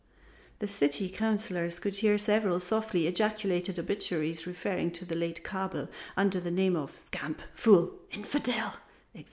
The City Councillors could hear several softly ejaculated obituaries referring to the late Kabel under the name of scamp, fool, infidel, etc.